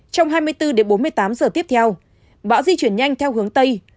trong hai mươi bốn đến bốn mươi tám giờ tiếp theo bão di chuyển nhanh theo hướng tây